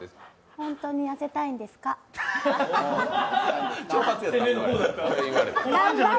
本当に痩せたいんですか。